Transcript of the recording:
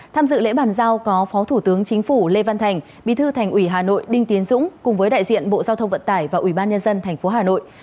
tham dự lễ bàn giao có phó thủ tướng chính phủ lê văn thành bí thư thành ủy hà nội đinh tiến dũng cùng với đại diện bộ giao thông vận tải và ủy ban nhân dân tp hà nội